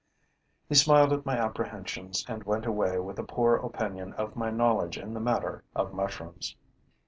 ] He smiled at my apprehensions and went away with a poor opinion of my knowledge in the matter of mushrooms.